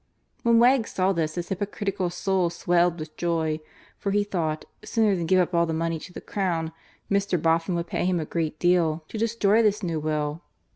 When Wegg saw this his hypocritical soul swelled with joy, for he thought, sooner than give up all the money to the Crown, Mr. Boffin would pay him a great deal to destroy this new will.